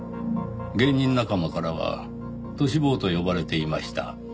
芸人仲間からはトシ坊と呼ばれていました。